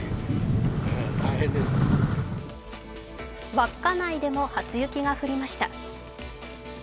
稚内でも初雪が降りました。